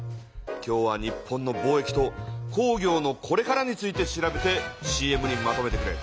今日は「日本の貿易と工業のこれから」について調べてＣＭにまとめてくれ。